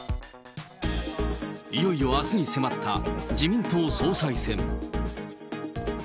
いよいよあすに迫った自民党総裁選。